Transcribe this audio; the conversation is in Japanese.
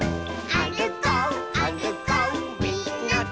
「あるこうあるこうみんなで」